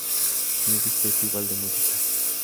Music festival de música.